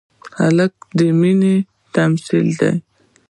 هلک د مینې تمثیل دی.